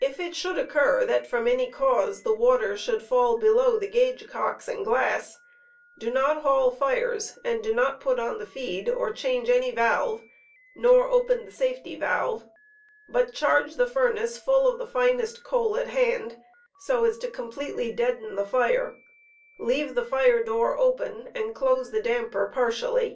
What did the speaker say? bo£Ua * If it should occur that,, from any cause, the water should fall below the gauge cocks and glass, do not haul fires, and do not put on the feed, or change auy valve, nor open the safety valve, but charge the furnace full of the finest coal at hand, so as to com pletely deaden the fire, leave the fire door open and close the damper partially.